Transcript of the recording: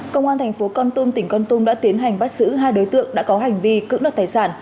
công an thành phố con tum tỉnh con tum đã tiến hành bắt giữ hai đối tượng đã có hành vi cưỡng đoạt tài sản